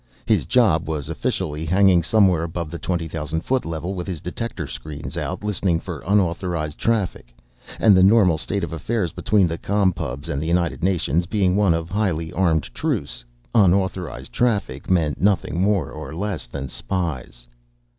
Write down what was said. His job was, officially, hanging somewhere above the twenty thousand foot level with his detector screens out, listening for unauthorized traffic. And, the normal state of affairs between the Com Pubs and the United Nations being one of highly armed truce, "unauthorized traffic" meant nothing more or less than spies.